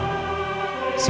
jagat dewa batara